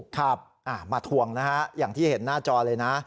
ครับมาทวงนะฮะอย่างที่เห็นหน้าจอเลยนะ